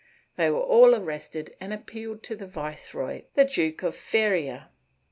They were all arrested and appealed to the viceroy, the Duke of Feria.